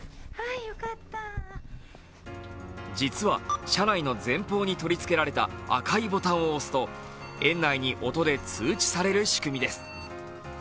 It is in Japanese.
実は車内の前方に取り付けられた赤いボタンを押すと園内に音で通知される仕組みです。